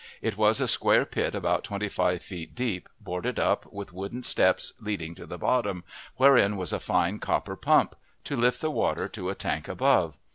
It was a square pit about twenty five feet deep, boarded up, with wooden steps leading to the bottom, wherein was a fine copper pump, to lift the water to a tank above.